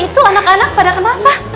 itu anak anak pada kenapa